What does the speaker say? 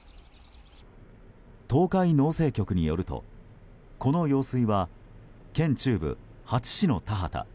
東海農政局によるとこの用水は県中部８市の田畑